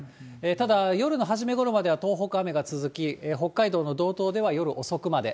ただ夜の初めごろまでは東北、雨が続き、北海道の道東では夜遅くまで。